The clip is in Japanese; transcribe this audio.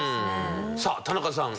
さあ田中さん。